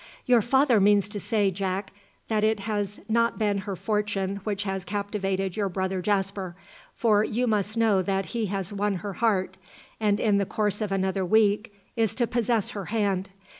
"Your father means to say, Jack, that it has not been her fortune which has captivated your brother Jasper, for you must know that he has won her heart, and in the course of another week is to possess her hand.